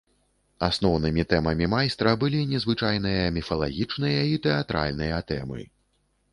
Асноўнымі тэмамі майстра былі незвычайныя міфалагічныя і тэатральныя тэмы.